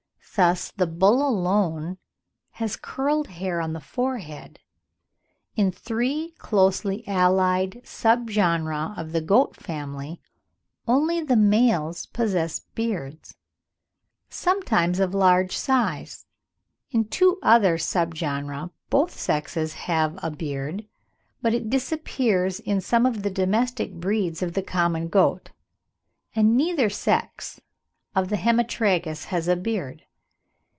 Thus the bull alone has curled hair on the forehead. (15. Hunter's 'Essays and Observations,' edited by Owen, 1861. vol. i. p. 236.) In three closely allied sub genera of the goat family, only the males possess beards, sometimes of large size; in two other sub genera both sexes have a beard, but it disappears in some of the domestic breeds of the common goat; and neither sex of the Hemitragus has a beard.